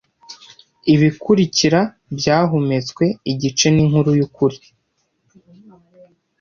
Ibikurikira byahumetswe igice ninkuru yukuri.